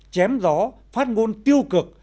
chém gió phát ngôn tiêu cực